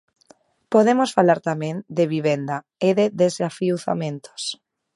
Podemos falar tamén de vivenda e de desafiuzamentos.